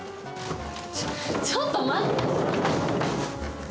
ちょちょっと待って。